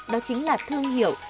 đó chính là thương hiệu